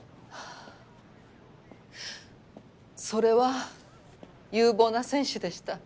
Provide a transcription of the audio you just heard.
それは有望な選手でした。